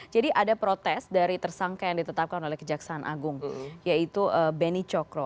jadi ada protes dari tersangka yang ditetapkan oleh kejaksaan agung yaitu benny cokro